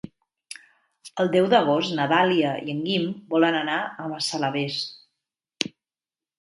El deu d'agost na Dàlia i en Guim volen anar a Massalavés.